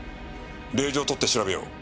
令状を取って調べよう。